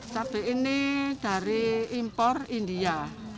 cabai ini dari impor india